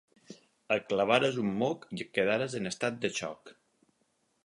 Et clavares un moc i et quedares en estat de xoc.